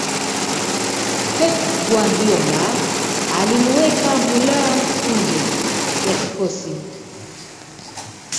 pep guardiola alimuweka muller nje ya kikosi